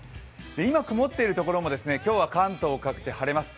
今、曇っているところも今日は関東各地晴れます。